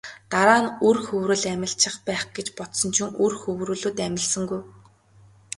Дараа нь үр хөврөл амилчих байх гэж бодсон чинь үр хөврөлүүд амилсангүй.